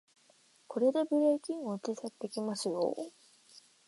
これでブレーキ音を小さくできますよ